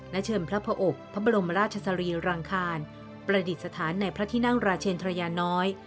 และเชิญพระอบพระบรมราชสรีรังคารประดิษฐานในพระที่นั่งราชเชนทรยาน้อย